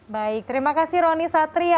baik terima kasih roni satria